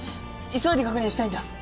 急いで確認したいんだ。